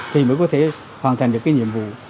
thì mới có thể hoàn thành được cái nhiệm vụ